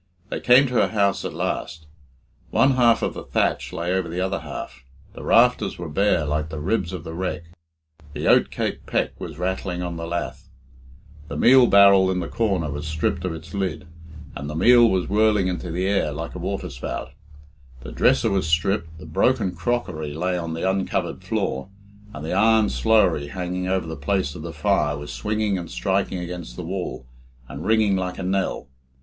They came to her house at last. One half of the thatch lay over the other half; the rafters were bare like the ribs of the wreck; the oat cake peck was rattling on the lath; the meal barrel in the corner was stripped of its lid, and the meal was whirling into the air like a waterspout; the dresser was stripped, the broken crockery lay on the uncovered floor, and the iron slowrie hanging over the place of the fire was swinging and striking against the wall, and ringing like a knell.